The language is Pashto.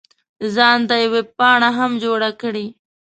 ځان ته یې ویبپاڼه هم جوړه کړې.